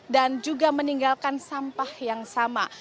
dan juga meninggalkan sampah yang sama